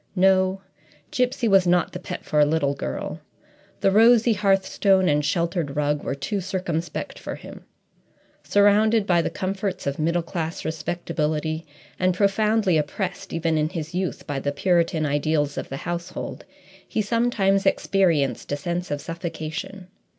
No; Gipsy was not the pet for a little girl. The rosy hearthstone and sheltered rug were too circumspect for him. Surrounded by the comforts of middle class respectability, and profoundly oppressed, even in his youth, by the Puritan ideals of the household, he sometimes experienced a sense of suffocation.